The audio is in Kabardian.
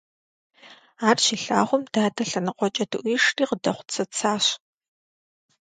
Ар щилъагъум, дадэ лъэныкъуэкӀэ дыӀуишри къыдэхъуцэцащ.